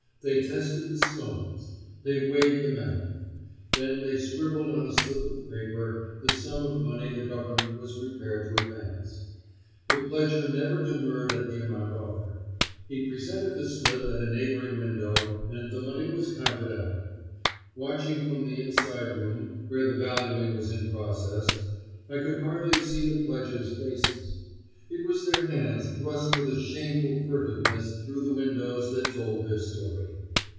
They tested the stones. They weighed the metal. Then they scribbled on a slip of paper the sum of money the Government was prepared to advance. The pledger never demurred at the amount offered. He presented the slip at a neighboring window and the money was counted out. Watching from the inside room, where the valuing was in process, I could hardly see the pledgers' faces. It was their hands thrust with a shameful furtiveness through the windows that told their story.